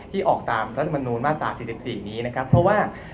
ออกตามรัฐมนูลมาตรา๔๔นี้นะครับเพราะว่า